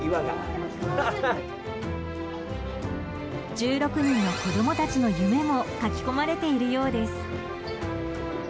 １６人の子供たちの夢も描き込まれているようです。